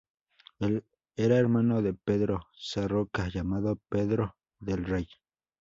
Era hermano de Pedro Sarroca, llamado Pedro del Rey.